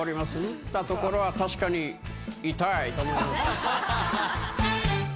打った所は確かに痛いと思います。